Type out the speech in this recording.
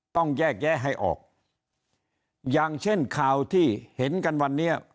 ต้องแยกแยะให้ออกอย่างเช่นข่าวที่เห็นกันวันนี้